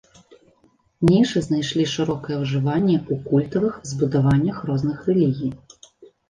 Нішы знайшлі шырокае ўжыванне ў культавых збудаваннях розных рэлігій.